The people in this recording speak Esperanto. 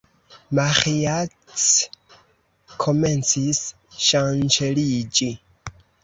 Maĥiac komencis ŝanĉeliĝi.